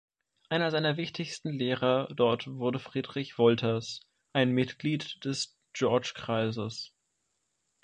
Einer seiner wichtigsten Lehrer dort wurde Friedrich Wolters, ein Mitglied des George-Kreises.